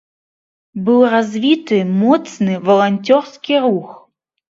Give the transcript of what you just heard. Быў развіты моцны валанцёрскі рух.